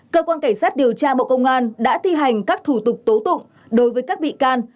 cơ quan cảnh sát điều tra bộ công an đã thi hành các thủ tục tố tụng đối với các bị can